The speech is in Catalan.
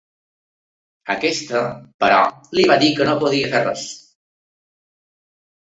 Aquesta, però, li va dir que no podia fer res.